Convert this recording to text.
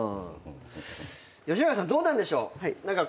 吉永さんどうなんでしょう？